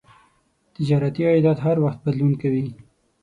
تجارتي عایدات هر وخت بدلون کوي.